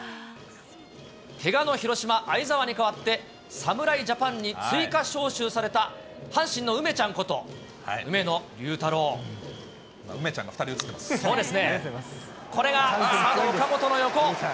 けがの広島、會澤に代わって、侍ジャパンに追加招集された阪神の梅ちゃんこと、梅ちゃんが２人写ってます。